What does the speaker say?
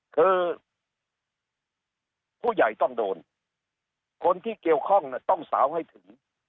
คือผู้ใหญ่ต้องโดนคนที่เกี่ยวข้องต้องสาวให้ถึง